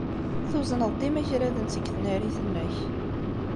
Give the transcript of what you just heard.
Tuzneḍ-d imagraden seg tnarit-nnek.